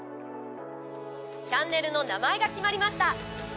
チャンネルの名前が決まりました。